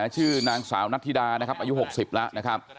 ชื่อนางสาวนัทธิดานะครับอายุ๖๐แล้วนะครับ